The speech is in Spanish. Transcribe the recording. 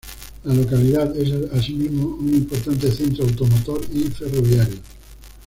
La localidad es asimismo un importante centro automotor y ferroviario.